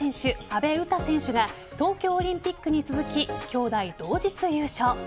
阿部詩選手が東京オリンピックに続ききょうだい同日優勝。